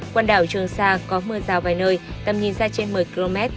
quần đảo hoàng sa không mưa tầm nhìn xa trên một mươi km